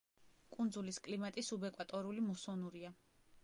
კუნძულის კლიმატი სუბეკვატორული მუსონურია.